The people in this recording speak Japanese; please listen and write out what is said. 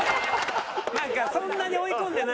なんかそんなに追い込んでないし。